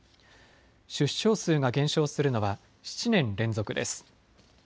出生数が減少するのは７年連続です。